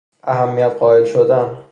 اهمیت قائل شدن